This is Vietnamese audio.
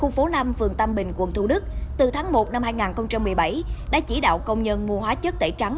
phố năm vườn tâm bình quận thủ đức từ tháng một hai nghìn một mươi bảy đã chỉ đạo công nhân mua hóa chất tẩy trắng